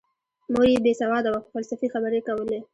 مور یې بې سواده وه خو فلسفي خبرې یې کولې